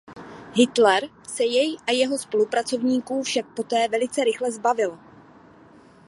Hitler se jej a jeho spolupracovníků však poté velice rychle zbavil.